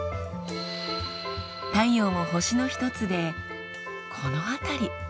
太陽も星の一つでこの辺り。